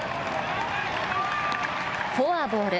フォアボール。